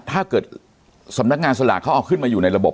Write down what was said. ถ้าเกิดสำนักงานสลากเขาออกขึ้นมาอยู่ในระบบ